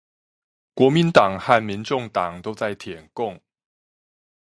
國民黨和民眾黨都在舔共